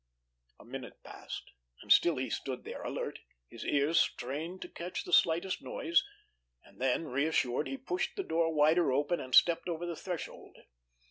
A minute passed, and still he stood there, alert, his ears strained to catch the slightest noise. And then, reassured, he pushed the door wider open, and stepped over the threshold.